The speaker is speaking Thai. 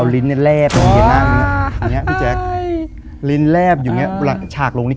แล้วริ้นแลบอยู่อย่างงี้